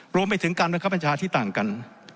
หรือการบังคับประชาที่ต่างกัน